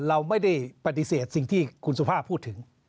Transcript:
เราไม่ได้ปฏิเสธสิ่งที่คุณสุภาพพูดถึง